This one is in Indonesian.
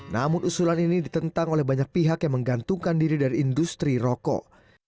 namun usulan ini ditentang oleh banyak pihak yang menggantungkan diri dari industri rokok